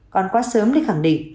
còn quá sớm để khẳng định